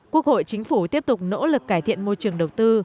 quốc hội chính phủ tiếp tục nỗ lực cải thiện môi trường đầu tư